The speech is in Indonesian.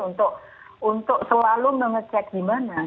untuk selalu mengecek di mana